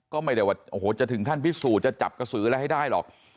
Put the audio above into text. ก็ไม่ได้ว่าโอ้โหจะถึงขั้นพิสูจน์จะจับกระสืออะไรให้ได้หรอก